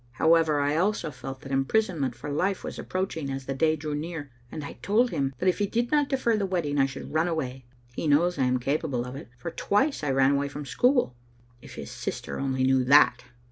However, I also felt that imprisonment for life was approaching as the day drew near, and I told him that if he did not defer the wedding I should run away. He knows I am capable of it, for twice I ran away from school. If his sister only knew that!"